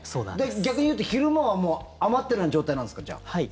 逆に言うと昼間はもう余ってるような状態なんですか？